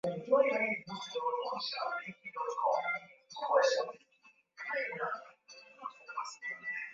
pia kuweka sawa mpango miji nchini rwanda